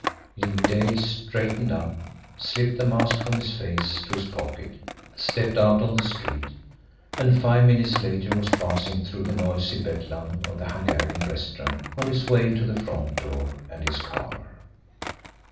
Jimmie Dale straightened up, slipped the mask from his face to his pocket, stepped out on the street and five minutes later was passing through the noisy bedlam of the Hungarian restaurant on his way to the front door and his car.